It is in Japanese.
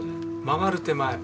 曲がる手前。